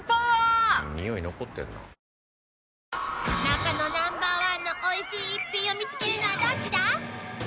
［中野Ｎｏ．１のおいしい逸品を見つけるのはどっちだ？］